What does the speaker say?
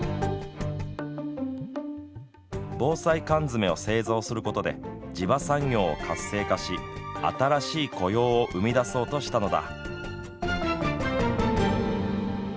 防災缶詰を製造することで地場産業を活性化し新しい雇用を生み出そうとしたのだ。